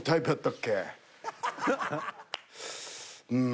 うん。